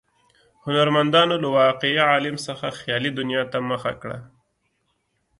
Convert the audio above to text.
هنرمندانو له واقعي عالم څخه خیالي دنیا ته مخه کړه.